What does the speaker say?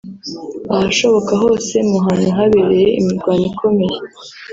Ahashoboka hose mu hantu habereye imirwano ikomeye